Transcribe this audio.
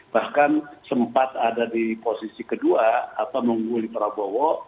bahkan sempat ada di posisi kedua mengungguli prabowo